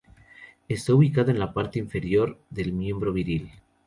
Está ubicado en la parte inferior del miembro viril.